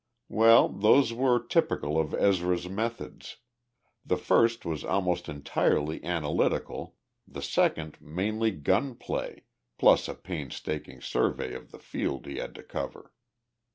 Well, those were typical of Ezra's methods the first was almost entirely analytical, the second mainly gun play plus a painstaking survey of the field he had to cover.